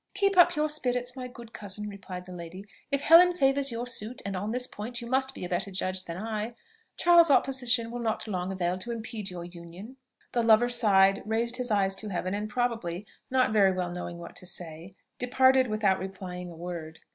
"Keep up your spirits, my good cousin!" replied the lady. "If Helen favours your suit, and on this point you must be a better judge than I, Charles's opposition will not long avail to impede your union." The lover sighed, raised his eyes to heaven, and probably, not very well knowing what to say, departed without replying a word.